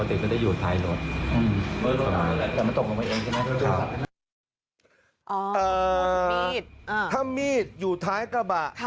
มีดถ้ามีดอยู่ท้ายกระบะ